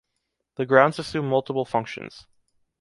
The grounds assume multiple functions.